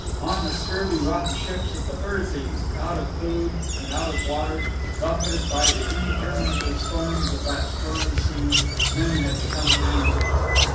On the scurvy rotten ships of the fur thieves, out of food and out of water, buffeted by the interminable storms of that stormy sea, men had become animals.